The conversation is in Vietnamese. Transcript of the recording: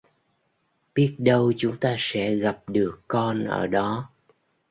Biết đâu chúng ta sẽ gặp được con ở đó